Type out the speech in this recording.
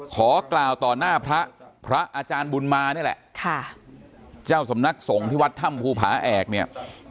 ขอกล่าวต่อหน้าพระพระอาจารย์บุญมานี่แหละค่ะเจ้าสำนักสงฆ์ที่วัดถ้ำภูผาแอกเนี่ย